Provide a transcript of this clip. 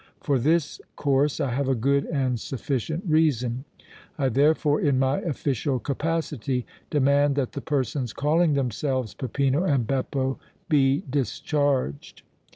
For this course I have a good and sufficient reason. I, therefore, in my official capacity demand that the persons calling themselves Peppino and Beppo be discharged."